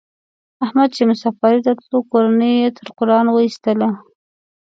احمد چې مسافرۍ ته تللو کورنۍ یې تر قران و ایستلا.